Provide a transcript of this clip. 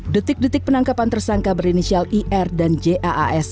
detik detik penangkapan tersangka berinisial ir dan jaas